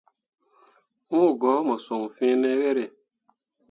Wũũ go mo son fiine yere.